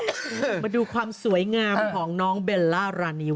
มาดูความสวยงามของน้องเบลล่ารานิว